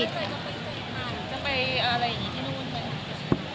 กินไปอะไรที่นู่น